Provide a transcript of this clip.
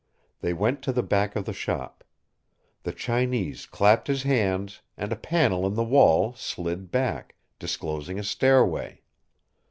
They went to the back of the shop. The Chinese clapped his hands, and a panel in the wall slid back, disclosing a stairway.